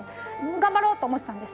頑張ろうと思ってたんです。